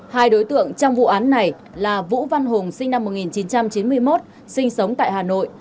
hai đối tượng trong vụ án này là vũ văn hùng sinh năm một nghìn chín trăm chín mươi một sinh sống tại hà nội